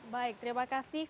baik terima kasih